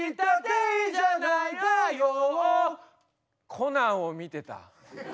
「コナン」を見てた。